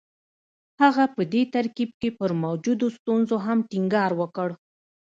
هغه په دې ترکيب کې پر موجودو ستونزو هم ټينګار وکړ.